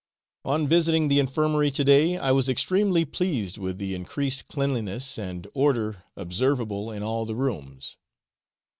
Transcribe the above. On visiting the Infirmary to day, I was extremely pleased with the increased cleanliness and order observable in all the rooms.